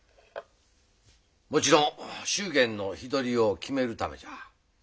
もちろん祝言の日取りを決めるためじゃ。